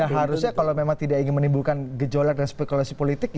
harusnya kalau memang tidak ingin menimbulkan gejolak dan spekulasi politik